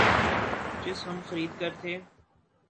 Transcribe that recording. چس ہم خرید کر تھے